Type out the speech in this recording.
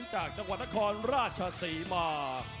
จากจังหวัดนครราชศรีมา